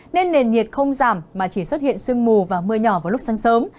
nên nền nhiệt không giảm mà chỉ xuất hiện sương mù và mưa nhỏ vào lúc sáng sớm